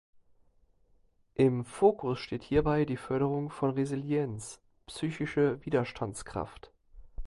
Im Fokus steht hierbei die Förderung von Resilienz (psychische Widerstandskraft).